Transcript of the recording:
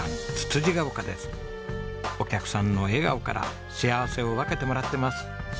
お客さんの笑顔から幸せを分けてもらってます。